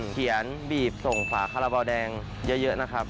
เขียนบีบส่งฝาคาราเบาแดงเยอะนะครับ